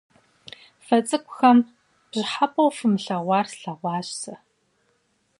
Фэ цӏыкӏухэм пщӀыхьэпӀэу фымылъэгъуар слъэгъуащ сэ.